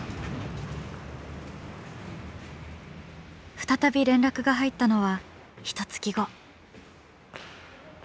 再び連絡が入ったのはひとつき後。